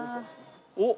おっ！